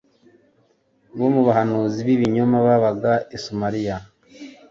bo mu bahanuzi bibinyoma babaga i Samariya